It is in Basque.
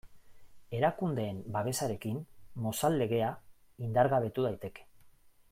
Erakundeen babesarekin Mozal Legea indargabetu daiteke.